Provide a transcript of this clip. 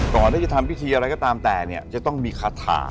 ต่อได้จะทำพิธีอะไรก็ตามแต่จะต้องมีคาถา